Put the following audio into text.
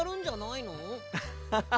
アッハハ。